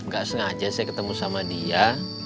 gak sengaja saya ketemu sama dia